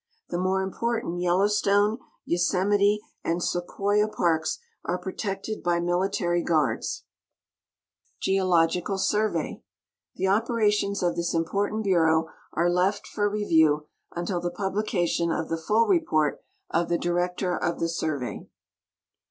The more im portant Yellowstone, A^osemite, and Sequoia parks are protected b\' mili tary guards. GEOGRAPHIC LITERATURE 45 Geological Surven. — The operations of this important bureau are left for review until the publication of the full report of the Director of the Surve}'.